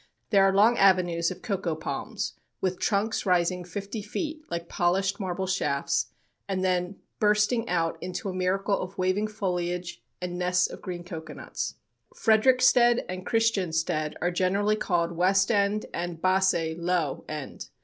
There are long avenues of cocoa palms, with trunks rising fifty feet like polished marble shafts, and then bursting out into a miracle of waving foliage and nests of green cocoanuts. Frederiksted and Christiansted are generally called "West End" and "Basse (Low) End."